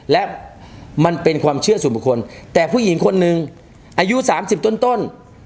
และมันเป็นความเชื่อส่วนบุคคลแต่ผู้หญิงคนหนึ่งอายุสามสิบต้น